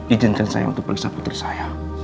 izinkan saya untuk periksa putri saya